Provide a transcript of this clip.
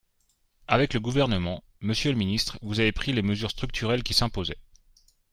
Avec le Gouvernement, monsieur le ministre, vous avez pris les mesures structurelles qui s’imposaient.